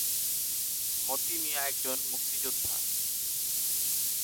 মতি মিয়া একজন মুক্তিযোদ্ধা।